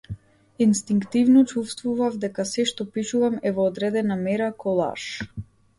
Инстинктивно чувствував дека сѐ што пишувам е во одредена мера колаж.